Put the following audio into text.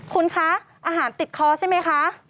คุณคะอาหารติดคอใช่ไหมคะ